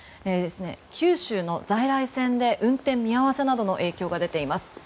九州の在来線で運転見合わせなど影響が出ています。